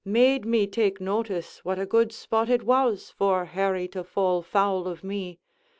made me take notice what a good spot it was for Harry to fall foul of me.